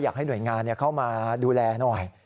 อยากให้หน่วยงานเข้ามาดูแลหน่อย